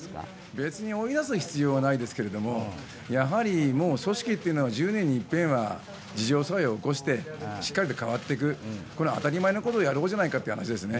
別に追い出す必要はないですけど、やはり組織というのは１０年に一遍は自浄作用を起こしてしっかりと変わっていく、これは当たり前のことをやろうじゃないかということですね。